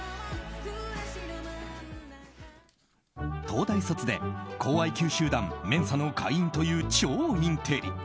東大卒で高ＩＱ集団ＭＥＮＳＡの会員という超インテリ。